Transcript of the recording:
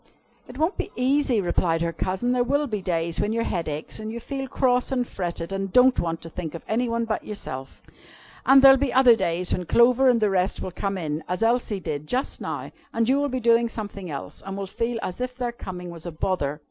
"It won't be easy," replied her cousin. "There will be days when your head aches, and you feel cross and fretted, and don't want to think of any one but yourself. And there'll be other days when Clover and the rest will come in, as Elsie did just now, and you will be doing something else, and will feel as if their coming was a bother.